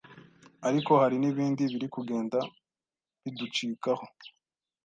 Ariko hari n'ibindi biri kugenda biducikaho,